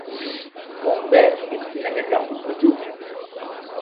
Monpee hettinake ka fu butu.